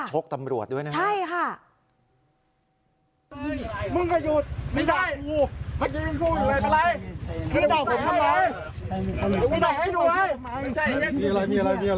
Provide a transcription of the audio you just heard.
ชกตำรวจด้วยนะครับ